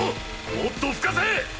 もっと吹かせ！！